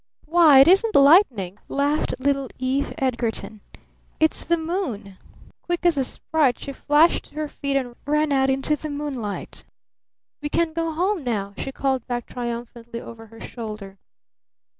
"Why, it isn't lightning!" laughed little Eve Edgarton. "It's the moon!" Quick as a sprite she flashed to her feet and ran out into the moonlight. "We can go home now!" she called back triumphantly over her shoulder.